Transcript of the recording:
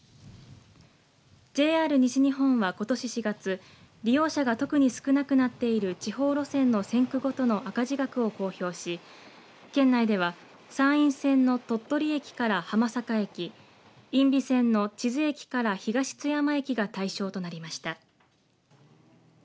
ＪＲ西日本は、ことし４月、利用者が特に少なくなっている地方路線の線区ごとの赤字額を公表し県内では山陰線の鳥取駅から浜坂駅、因美線の智頭駅から東津山駅が対象となりました。